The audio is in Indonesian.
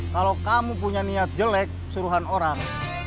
kalau kamu punya niat jelek suruhan orang